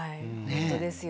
本当ですよね。